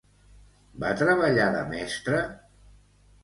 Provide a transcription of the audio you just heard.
Va treballar de mestra?